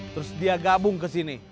terus dia gabung ke sini